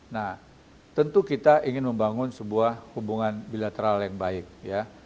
nah tentu kita ingin membangun sebuah hubungan bilateral yang baik ya